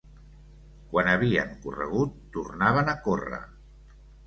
Quan havien corregut, tornaven a corre